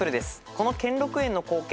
この兼六園の光景